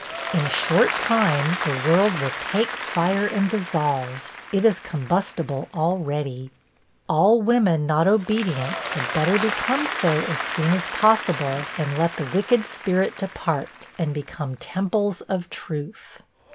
In a short time, the world will take fire and dissolve; it is combustible already. All women, not obedient, had better become so as soon as possible, and let the wicked spirit depart, and become temples of truth.